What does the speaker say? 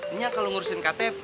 ini yang kalau ngurusin ktp